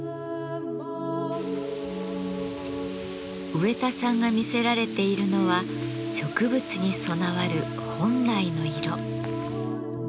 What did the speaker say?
植田さんが魅せられているのは植物に備わる本来の色。